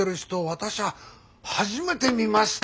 私は初めて見ました。